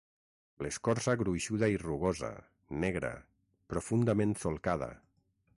L'escorça gruixuda i rugosa, negra, profundament solcada.